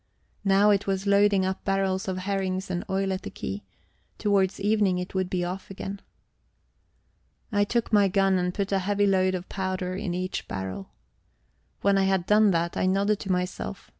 Now it was loading up barrels of herrings and oil at the quay; towards evening it would be off again. I took my gun and put a heavy load of powder in each barrel. When I had done that, I nodded to myself.